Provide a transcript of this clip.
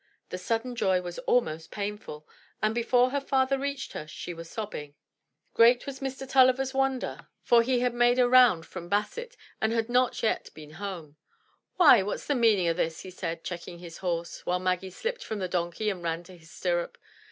The sudden joy was almost painful, and before her father reached her, she was sobbing. Great was Mr. TuUiver's wonder, 249 M Y BOOK HOUSE for he had made a round from Basset, and had not yet been home. Why, what's the meaning o'this?" he said, checking his horse, while Maggie slipped from the donkey and ran to his stirrup.